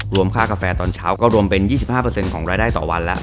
ค่ากาแฟตอนเช้าก็รวมเป็น๒๕ของรายได้ต่อวันแล้ว